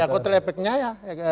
kotel efeknya ya